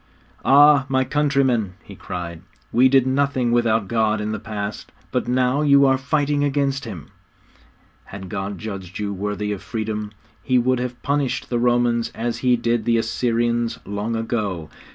'Ah, my countrymen,' he cried, 'we did nothing without God in the past, but now you are fighting against Him. Had God judged you worthy of freedom, He would have punished the Romans as He did the Assyrians long ago.